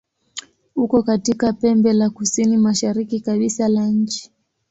Uko katika pembe la kusini-mashariki kabisa la nchi.